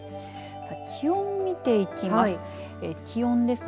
気温見ていきます。